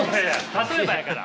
例えばやから！